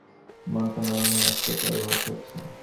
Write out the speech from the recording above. এখন আবার দুদিন থেকে দেখছি ওর মনটা নরম হয়ে আসছে, তাই ভরসা হচ্ছে।